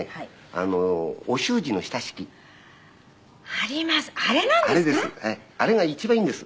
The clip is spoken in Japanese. あります。